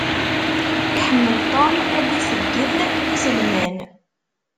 Iḥemmel Tom ad d-iṣeyyed iselman.